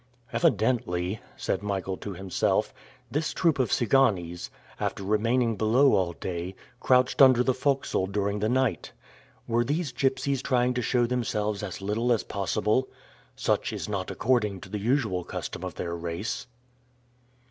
"Evidently," said Michael to himself, "this troop of Tsiganes, after remaining below all day, crouched under the forecastle during the night. Were these gipsies trying to show themselves as little as possible? Such is not according to the usual custom of their race."